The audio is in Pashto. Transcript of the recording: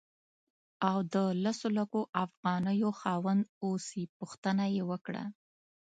او د لسو لکو افغانیو خاوند اوسې پوښتنه یې وکړه.